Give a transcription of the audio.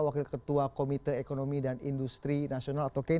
wakil ketua komite ekonomi dan industri nasional atau kein